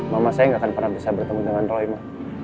mama saya gak akan pernah bisa bertemu dengan royma